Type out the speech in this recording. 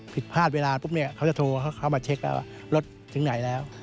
ผิดพลาดเวลาปุ๊บเนี่ยเขาจะโทรเข้ามาเช็คแล้วว่ารถถึงไหนแล้ว